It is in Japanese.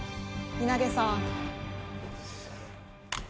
稲毛さん。